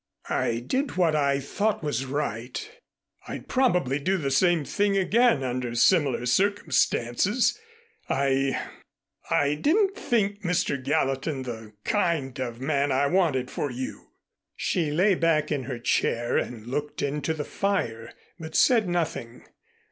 "I did what I thought was right. I'd probably do the same thing again under similar circumstances. I I didn't think Mr. Gallatin the kind of man I wanted for you." She lay back in her chair and looked into the fire, but said nothing.